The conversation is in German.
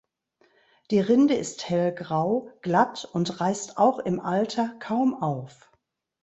Die Rinde ist hellgrau, glatt und reißt auch im Alter kaum auf.